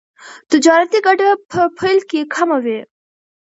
تجارتي ګټه په پیل کې کمه وي.